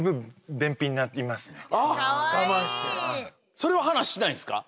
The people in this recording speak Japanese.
それを話ししないんですか？